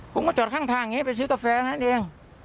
ผมก็จอดข้างทางอย่างนี้ไปซื้อกาแฟนั่นเอง